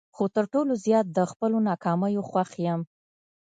خو تر ټولو زیات د خپلو ناکامیو خوښ یم.